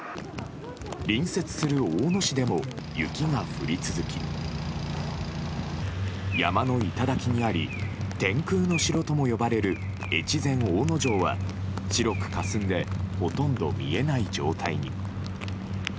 隣接する大野市でも雪が降り続き山の頂にあり天空の城とも呼ばれる越前大野城は白くかすんでほとんど見えない状態に。